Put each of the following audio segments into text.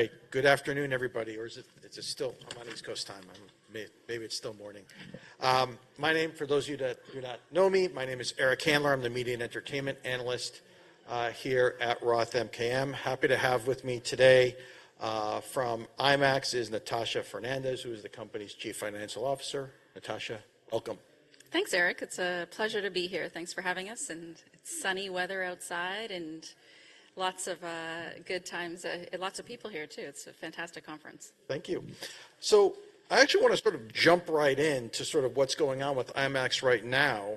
All right, good afternoon, everybody. Or is it? I'm on East Coast time. Maybe it's still morning. My name, for those of you that do not know me, my name is Eric Handler. I'm the Media and Entertainment Analyst here at Roth MKM. Happy to have with me today, from IMAX is Natasha Fernandes, who is the company's Chief Financial Officer. Natasha, welcome. Thanks, Eric. It's a pleasure to be here. Thanks for having us, and it's sunny weather outside and lots of good times, and lots of people here too. It's a fantastic conference. Thank you. So I actually want to sort of jump right in to sort of what's going on with IMAX right now,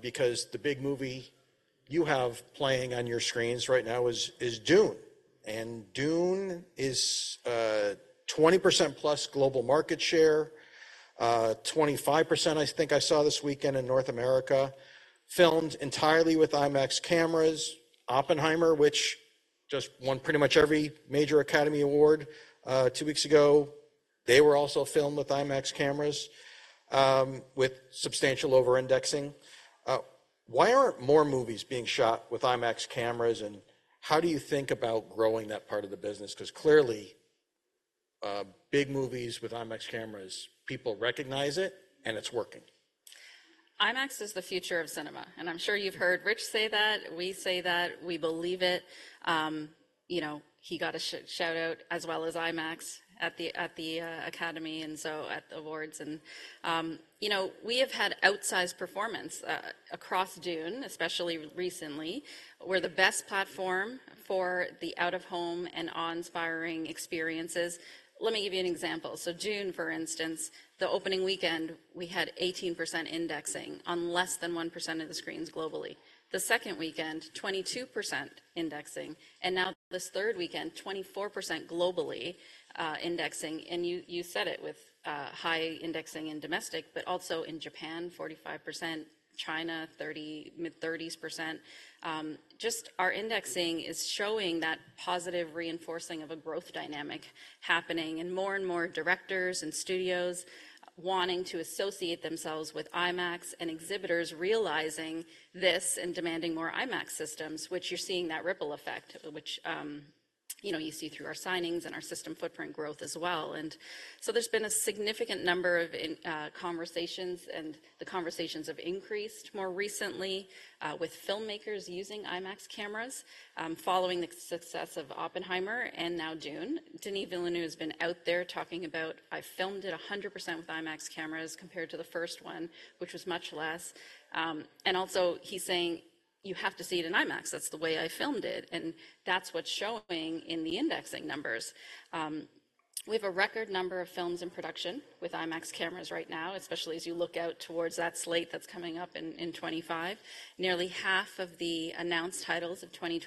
because the big movie you have playing on your screens right now is, is Dune. And Dune is, 20% plus global market share, 25% I think I saw this weekend in North America. Filmed entirely with IMAX cameras. Oppenheimer, which just won pretty much every major Academy Award, 2 weeks ago, they were also filmed with IMAX cameras, with substantial over-indexing. Why aren't more movies being shot with IMAX cameras, and how do you think about growing that part of the business? Because clearly, big movies with IMAX cameras, people recognize it, and it's working. IMAX is the future of cinema, and I'm sure you've heard Rich say that. We say that. We believe it. You know, he got a shoutout as well as IMAX at the Academy Awards. You know, we have had outsized performance across Dune, especially recently. We're the best platform for the out-of-home and awe-inspiring experiences. Let me give you an example. So Dune, for instance, the opening weekend, we had 18% indexing on less than 1% of the screens globally. The second weekend, 22% indexing. And now this third weekend, 24% globally, indexing. And you said it with high indexing in domestic, but also in Japan, 45%, China, 30 mid-30s %. Just our indexing is showing that positive reinforcing of a growth dynamic happening, and more and more directors and studios wanting to associate themselves with IMAX, and exhibitors realizing this and demanding more IMAX systems, which you're seeing that ripple effect, which, you know, you see through our signings and our system footprint growth as well. And so there's been a significant number of conversations, and the conversations have increased more recently, with filmmakers using IMAX cameras, following the success of Oppenheimer and now Dune. Denis Villeneuve has been out there talking about, "I filmed it 100% with IMAX cameras compared to the first one, which was much less," and also he's saying, "You have to see it in IMAX. That's the way I filmed it." And that's what's showing in the indexing numbers. We have a record number of films in production with IMAX cameras right now, especially as you look out towards that slate that's coming up in 2025. Nearly half of the announced titles of Filmed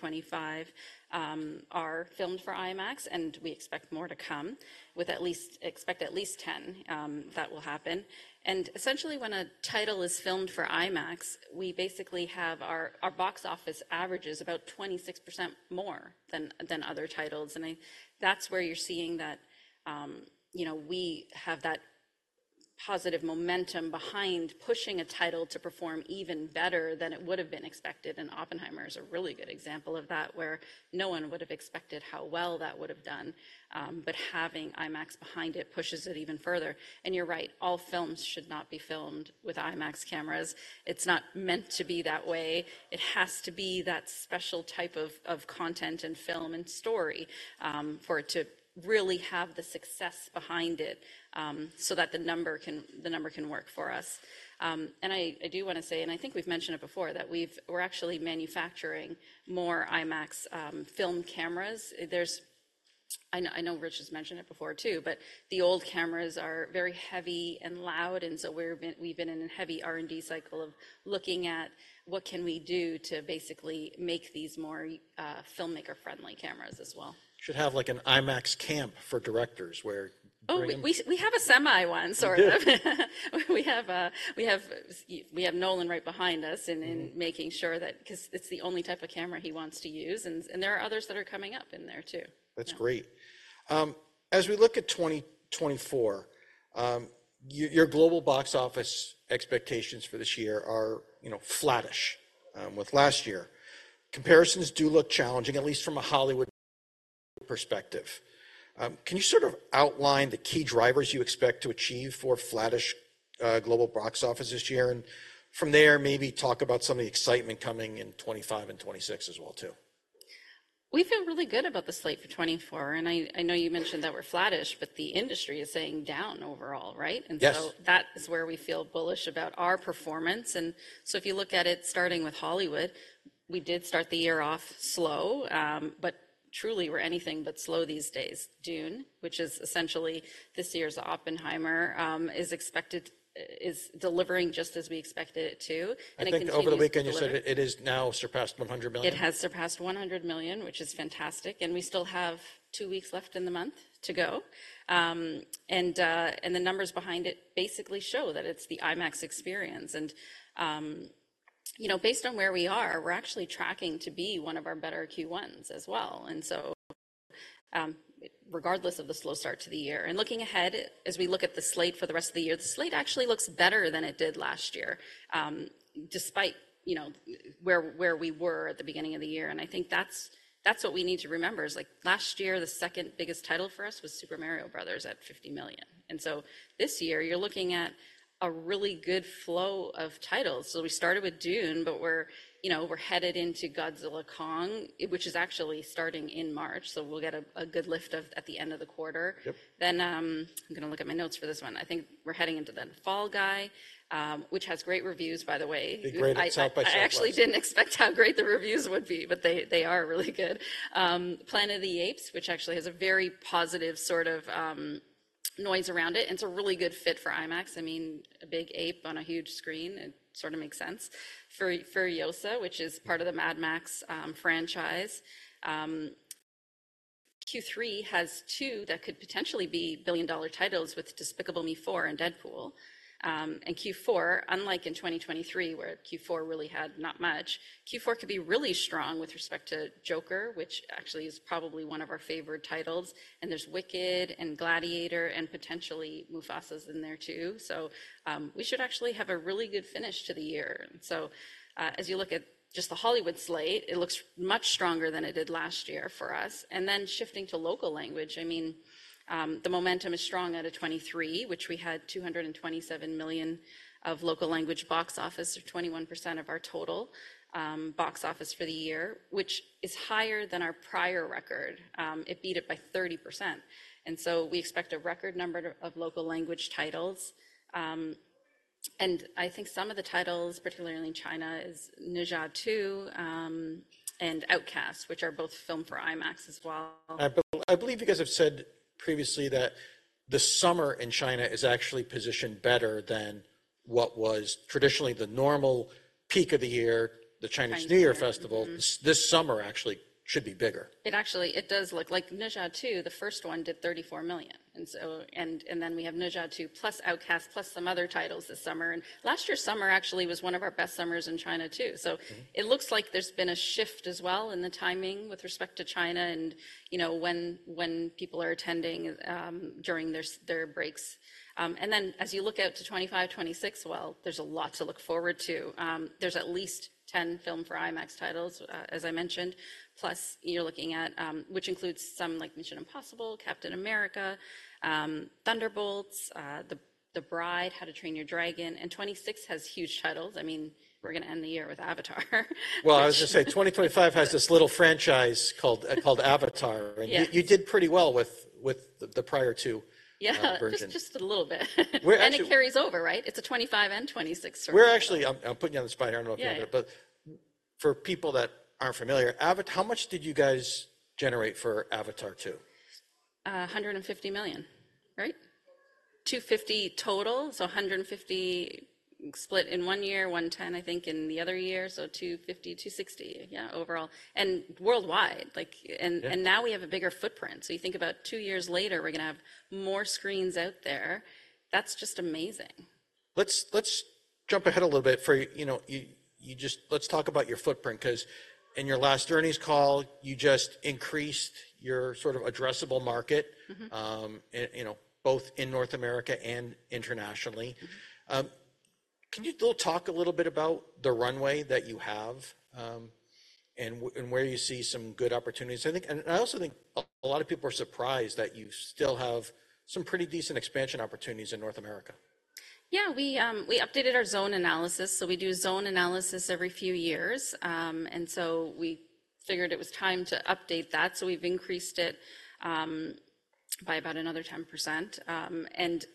for IMAX, and we expect more to come, with at least 10 that will happen. And essentially, when a Filmed for IMAX, we basically have our box office averages about 26% more than other titles. And that's where you're seeing that, you know, we have that positive momentum behind pushing a title to perform even better than it would have been expected. And Oppenheimer is a really good example of that, where no one would have expected how well that would have done. But having IMAX behind it pushes it even further. And you're right, all films should not be filmed with IMAX cameras. It's not meant to be that way. It has to be that special type of content and film and story for it to really have the success behind it, so that the number can work for us. And I do want to say, and I think we've mentioned it before, that we're actually manufacturing more IMAX film cameras. I know Rich has mentioned it before too, but the old cameras are very heavy and loud, and so we've been in a heavy R&D cycle of looking at what we can do to basically make these more filmmaker-friendly cameras as well. Should have, like, an IMAX camp for directors where bringing. Oh, we have a semi-one, sort of. We have Nolan right behind us in making sure that because it's the only type of camera he wants to use, and there are others that are coming up in there too. That's great. As we look at 2024, your global box office expectations for this year are, you know, flattish, with last year. Comparisons do look challenging, at least from a Hollywood perspective. Can you sort of outline the key drivers you expect to achieve for flattish, global box office this year, and from there, maybe talk about some of the excitement coming in 2025 and 2026 as well too? We feel really good about the slate for 2024, and I know you mentioned that we're flattish, but the industry is saying down overall, right? And so that is where we feel bullish about our performance. And so if you look at it starting with Hollywood, we did start the year off slow, but truly we're anything but slow these days. Dune, which is essentially this year's Oppenheimer, is expected delivering just as we expected it to. And I can see. I think over the weekend you said it is now surpassed $100 million. It has surpassed $100 million, which is fantastic, and we still have two weeks left in the month to go. The numbers behind it basically show that it's the IMAX Experience. You know, based on where we are, we're actually tracking to be one of our better Q1s as well. Regardless of the slow start to the year. Looking ahead, as we look at the slate for the rest of the year, the slate actually looks better than it did last year, despite, you know, where we were at the beginning of the year. I think that's what we need to remember is, like, last year, the second biggest title for us was Super Mario Bros. at $50 million. This year, you're looking at a really good flow of titles. So we started with Dune, but we're, you know, we're headed into Godzilla Kong, which is actually starting in March, so we'll get a good lift of at the end of the quarter. Then, I'm going to look at my notes for this one. I think we're heading into then Fall Guy, which has great reviews, by the way. The greatest South by Southwest. I actually didn't expect how great the reviews would be, but they are really good. Planet of the Apes, which actually has a very positive sort of noise around it, and it's a really good fit for IMAX. I mean, a big ape on a huge screen, it sort of makes sense. Furiosa, which is part of the Mad Max franchise. Q3 has two that could potentially be billion-dollar titles with Despicable Me 4 and Deadpool. And Q4, unlike in 2023, where Q4 really had not much, Q4 could be really strong with respect to Joker, which actually is probably one of our favorite titles. And there's Wicked and Gladiator and potentially Mufasa in there too. So, we should actually have a really good finish to the year. And so, as you look at just the Hollywood slate, it looks much stronger than it did last year for us. Then shifting to local language, I mean, the momentum is strong in 2023, which we had $227 million of local language box office, or 21% of our total box office for the year, which is higher than our prior record. It beat it by 30%. So we expect a record number of local language titles. And I think some of the titles, particularly in China, is Ne Zha 2, and OutKast, which Filmed for IMAX as well. I believe you guys have said previously that the summer in China is actually positioned better than what was traditionally the normal peak of the year, the Chinese New Year festival. This summer actually should be bigger. It actually does look like Ne Zha 2, the first one, did $34 million. And so then we have Ne Zha 2 plus The Outcast plus some other titles this summer. And last year's summer actually was one of our best summers in China too. So it looks like there's been a shift as well in the timing with respect to China and, you know, when people are attending, during their breaks. Then as you look out to 2025, 2026, well, there's a lot to look forward to. There are at Filmed for IMAX titles, as I mentioned. Plus, you're looking at, which includes some, like Mission: Impossible, Captain America, Thunderbolts*, The Bride!, How to Train Your Dragon, and 2026 has huge titles. I mean, we're going to end the year with Avatar. Well, I was going to say, 2025 has this little franchise called Avatar, and you did pretty well with the prior 2 versions. Yeah, just a little bit. It carries over, right? It's a 2025 and 2026 sort of. Actually, I'm putting you on the spot, Karen. I don't know if you remember it, but for people that aren't familiar, Avatar, how much did you guys generate for Avatar 2? $150 million, right? $250 million total, so $150 million split in one year, $110 million, I think, in the other year, so $250 million, $260 million, yeah, overall. Worldwide, like, and now we have a bigger footprint. So you think about two years later, we're going to have more screens out there. That's just amazing. Let's jump ahead a little bit, you know, just let's talk about your footprint because in your last earnings call, you just increased your sort of addressable market, and, you know, both in North America and internationally. Can you still talk a little bit about the runway that you have, and where you see some good opportunities? I think, and I also think a lot of people are surprised that you still have some pretty decent expansion opportunities in North America. Yeah, we updated our zone analysis. So we do zone analysis every few years. So we figured it was time to update that. So we've increased it by about another 10%.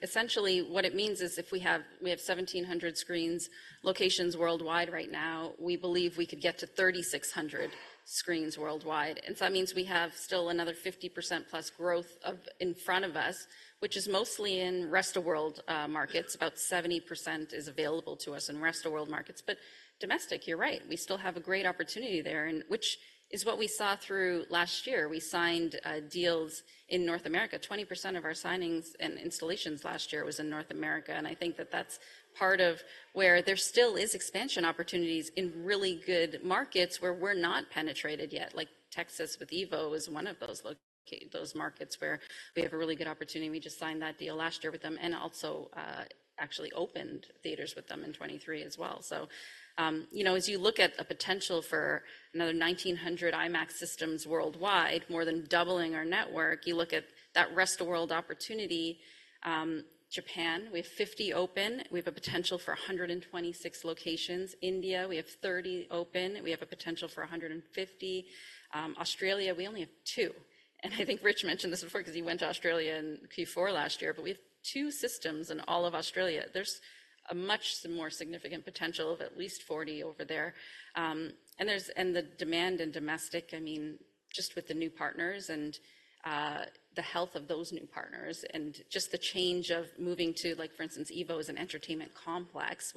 Essentially what it means is if we have 1,700 screen locations worldwide right now, we believe we could get to 3,600 screens worldwide. So that means we have still another 50% plus growth in front of us, which is mostly in rest-of-world markets. About 70% is available to us in rest-of-world markets. But domestic, you're right. We still have a great opportunity there, and which is what we saw through last year. We signed deals in North America. 20% of our signings and installations last year was in North America. I think that that's part of where there still is expansion opportunities in really good markets where we're not penetrated yet. Like Texas with EVO is one of those locations those markets where we have a really good opportunity. We just signed that deal last year with them and also, actually opened theaters with them in 2023 as well. So, you know, as you look at the potential for another 1,900 IMAX systems worldwide, more than doubling our network, you look at that rest of world opportunity. Japan, we have 50 open. We have a potential for 126 locations. India, we have 30 open. We have a potential for 150. Australia, we only have two. And I think Rich mentioned this before because he went to Australia in Q4 last year, but we have two systems in all of Australia. There's a much more significant potential of at least 40 over there. And there's the demand in domestic, I mean, just with the new partners and the health of those new partners and just the change of moving to, like, for instance, EVO is an entertainment complex,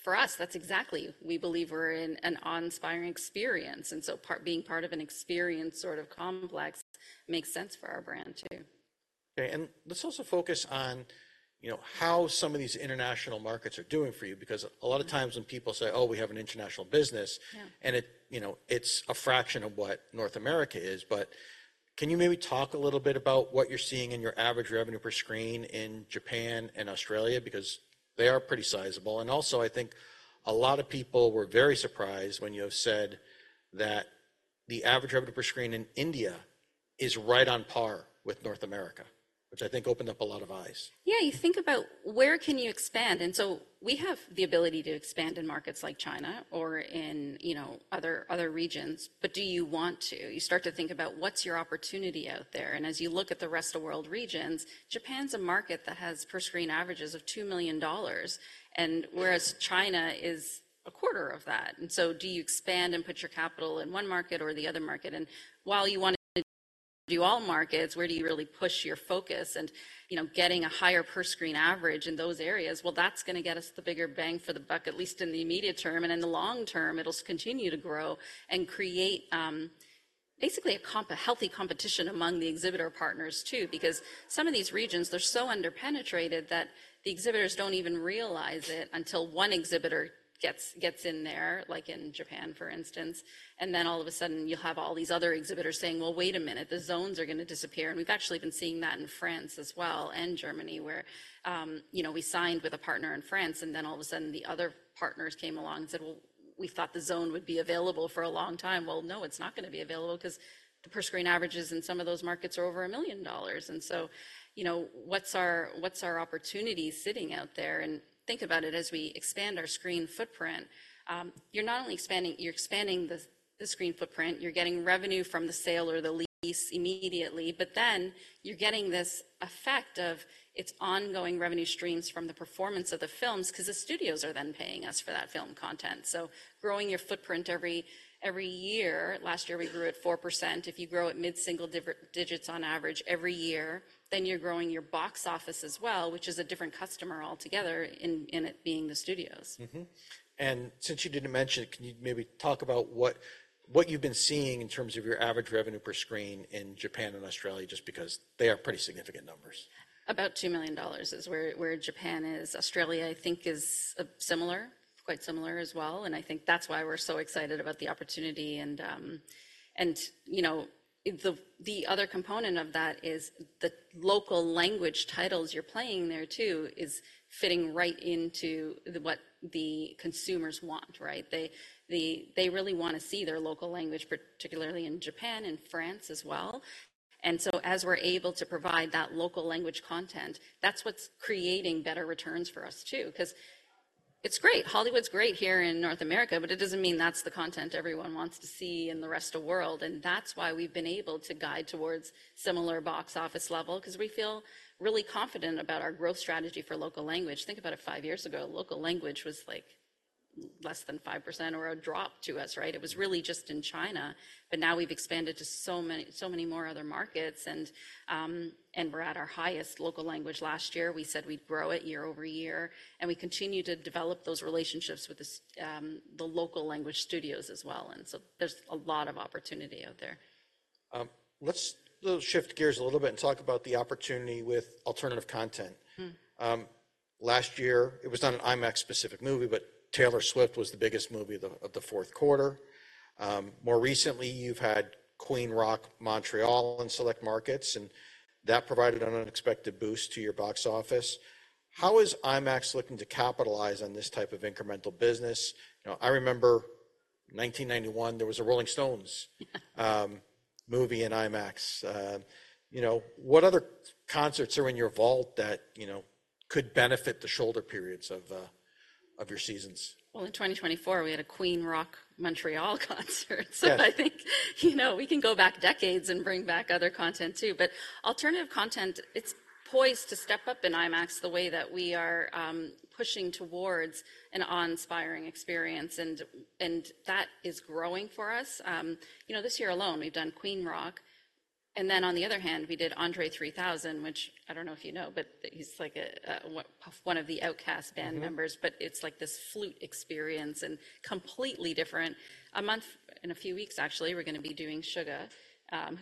which for us, that's exactly we believe we're in an awe-inspiring experience. And so part being part of an experience sort of complex makes sense for our brand too. Okay, and let's also focus on, you know, how some of these international markets are doing for you because a lot of times when people say, oh, we have an international business, and it, you know, it's a fraction of what North America is. But can you maybe talk a little bit about what you're seeing in your average revenue per screen in Japan and Australia because they are pretty sizable. And also, I think a lot of people were very surprised when you have said that the average revenue per screen in India is right on par with North America, which I think opened up a lot of eyes. Yeah, you think about where can you expand. And so we have the ability to expand in markets like China or in, you know, other regions, but do you want to? You start to think about what's your opportunity out there. And as you look at the rest of world regions, Japan's a market that has per screen averages of $2 million, and whereas China is a quarter of that. And so do you expand and put your capital in one market or the other market? And while you want to do all markets, where do you really push your focus and, you know, getting a higher per screen average in those areas? Well, that's going to get us the bigger bang for the buck, at least in the immediate term. In the long term, it'll continue to grow and create, basically a healthy competition among the exhibitor partners too because some of these regions, they're so underpenetrated that the exhibitors don't even realize it until one exhibitor gets in there, like in Japan, for instance. And then all of a sudden, you'll have all these other exhibitors saying, well, wait a minute, the zones are going to disappear. And we've actually been seeing that in France as well and Germany where, you know, we signed with a partner in France and then all of a sudden the other partners came along and said, well, we thought the zone would be available for a long time. Well, no, it's not going to be available because the per screen averages in some of those markets are over $1 million. And so, you know, what's our opportunity sitting out there? Think about it as we expand our screen footprint. You're not only expanding the screen footprint. You're getting revenue from the sale or the lease immediately, but then you're getting this effect of it's ongoing revenue streams from the performance of the films because the studios are then paying us for that film content. So growing your footprint every year, last year we grew at 4%. If you grow at mid-single digits on average every year, then you're growing your box office as well, which is a different customer altogether in it being the studios. Since you didn't mention it, can you maybe talk about what you've been seeing in terms of your average revenue per screen in Japan and Australia just because they are pretty significant numbers? About $2 million is where Japan is. Australia, I think, is quite similar as well. And I think that's why we're so excited about the opportunity and, you know, the other component of that is the local language titles you're playing there too is fitting right into what the consumers want, right? They really want to see their local language, particularly in Japan and France as well. And so as we're able to provide that local language content, that's what's creating better returns for us too because it's great. Hollywood's great here in North America, but it doesn't mean that's the content everyone wants to see in the rest of world. And that's why we've been able to guide towards similar box office level because we feel really confident about our growth strategy for local language. Think about it. Five years ago, local language was like less than 5% or a drop to us, right? It was really just in China. But now we've expanded to so many more other markets, and we're at our highest local language last year. We said we'd grow it year-over-year. We continue to develop those relationships with the local language studios as well. So there's a lot of opportunity out there. Let's shift gears a little bit and talk about the opportunity with alternative content. Last year, it was not an IMAX-specific movie, but Taylor Swift was the biggest movie of the fourth quarter. More recently, you've had Queen Rock Montreal in select markets, and that provided an unexpected boost to your box office. How is IMAX looking to capitalize on this type of incremental business? You know, I remember 1991. There was a Rolling Stones movie in IMAX. You know, what other concerts are in your vault that, you know, could benefit the shoulder periods of your seasons? Well, in 2024, we had a Queen Rock Montreal concert. So I think, you know, we can go back decades and bring back other content too. But alternative content, it's poised to step up in IMAX the way that we are, pushing towards an awe-inspiring experience. And that is growing for us. You know, this year alone, we've done Queen Rock. And then on the other hand, we did André 3000, which I don't know if you know, but he's like a one of The Outcast band members, but it's like this flute experience and completely different. A month in a few weeks, actually, we're going to be doing Suga,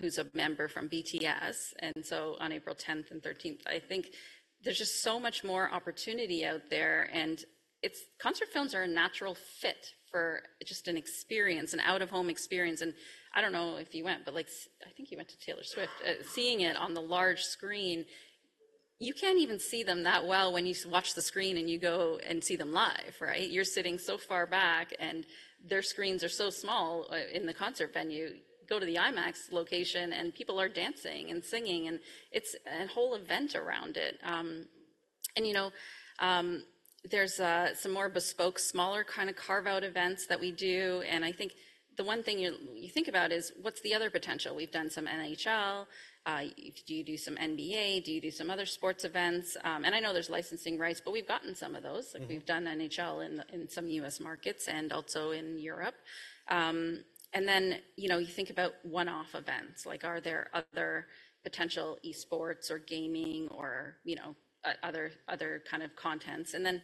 who's a member from BTS. And so on April 10th and 13th, I think there's just so much more opportunity out there and it's concert films are a natural fit for just an experience, an out-of-home experience. I don't know if you went, but like I think you went to Taylor Swift. Seeing it on the large screen, you can't even see them that well when you watch the screen and you go and see them live, right? You're sitting so far back and their screens are so small in the concert venue. Go to the IMAX location and people are dancing and singing and it's a whole event around it. And you know, there's some more bespoke smaller kind of carve-out events that we do. And I think the one thing you think about is what's the other potential? We've done some NHL. Do you do some NBA? Do you do some other sports events? And I know there's licensing rights, but we've gotten some of those. Like we've done NHL in some U.S. markets and also in Europe. And then, you know, you think about one-off events. Like are there other potential esports or gaming or, you know, other kind of contents? And then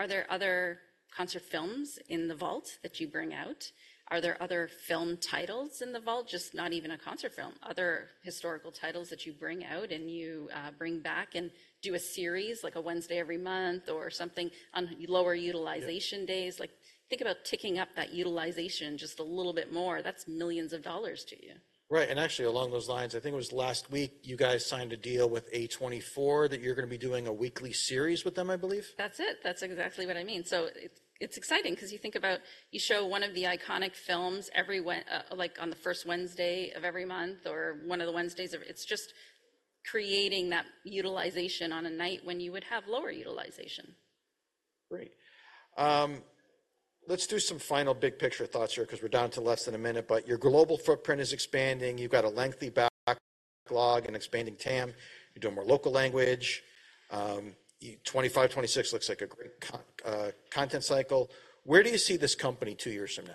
are there other concert films in the vault that you bring out? Are there other film titles in the vault, just not even a concert film, other historical titles that you bring out and you bring back and do a series like a Wednesday every month or something on lower utilization days? Like think about ticking up that utilization just a little bit more. That's millions of dollars to you. Right. And actually, along those lines, I think it was last week you guys signed a deal with A24 that you're going to be doing a weekly series with them, I believe. That's it. That's exactly what I mean. So it's exciting because you think about you show one of the iconic films every like on the first Wednesday of every month or one of the Wednesdays. It's just creating that utilization on a night when you would have lower utilization. Great. Let's do some final big picture thoughts here because we're down to less than a minute, but your global footprint is expanding. You've got a lengthy backlog and expanding TAM. You're doing more local language. 2025, 2026 looks like a great content cycle. Where do you see this company two years from now?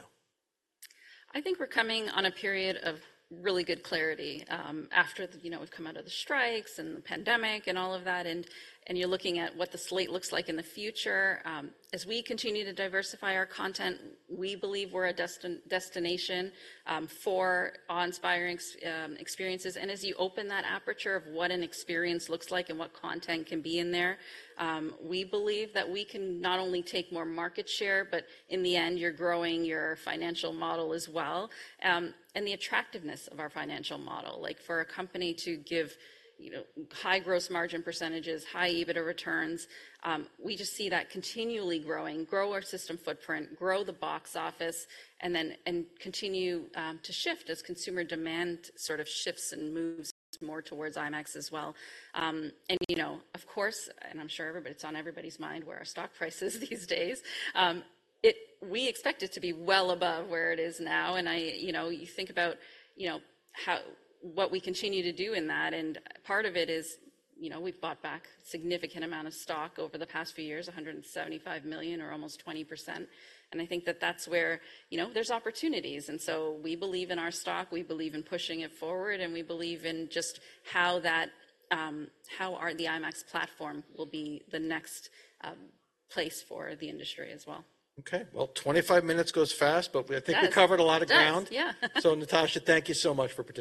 I think we're coming on a period of really good clarity after the, you know, we've come out of the strikes and the pandemic and all of that. And you're looking at what the slate looks like in the future. As we continue to diversify our content, we believe we're a destination for awe-inspiring experiences. And as you open that aperture of what an experience looks like and what content can be in there, we believe that we can not only take more market share, but in the end, you're growing your financial model as well. And the attractiveness of our financial model, like for a company to give, you know, high gross margin percentages, high EBITDA returns, we just see that continually growing, grow our system footprint, grow the box office, and then continue to shift as consumer demand sort of shifts and moves more towards IMAX as well. And you know, of course, and I'm sure everybody it's on everybody's mind where our stock prices these days. It, we expect it to be well above where it is now. And I, you know, you think about, you know, how what we continue to do in that. And part of it is, you know, we've bought back significant amount of stock over the past few years, 175 million or almost 20%. And I think that that's where, you know, there's opportunities. And so we believe in our stock. We believe in pushing it forward. We believe in just how the IMAX platform will be the next place for the industry as well. Okay, well, 25 minutes goes fast, but I think we covered a lot of ground. Yeah. So Natasha, thank you so much for.